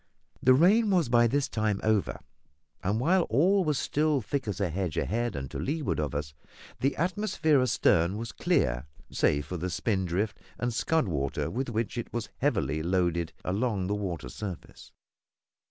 The rain was by this time over, and while all was still thick as a hedge ahead and to leeward of us, the atmosphere astern was clear, save for the spindrift and scud water with which it was heavily loaded along the water surface.